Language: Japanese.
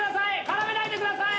絡めないでください！